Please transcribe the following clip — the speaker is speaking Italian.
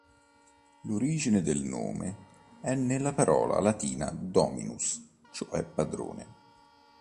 L'origine del nome è nella parola latina "dominus", cioè padrone.